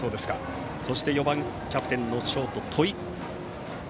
そして、４番キャプテンのショート、戸井。